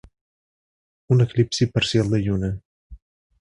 Un eclipsi parcial de Lluna.